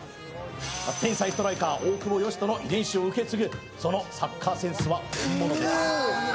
天才ストライカー大久保嘉人の遺伝子をうけつぐそのサッカーセンスは本物です。